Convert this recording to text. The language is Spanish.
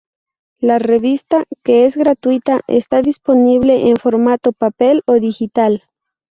La revista, que es gratuita, está disponible en formato papel y digital.